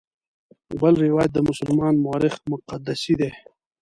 بل روایت د مسلمان مورخ مقدسي دی.